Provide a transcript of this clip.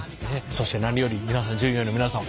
そして何より従業員の皆さん